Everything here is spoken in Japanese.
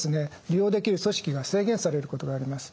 利用できる組織が制限されることがあります。